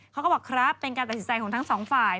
เขาก็บอกครับเป็นการตัดสินใจของทั้งสองฝ่าย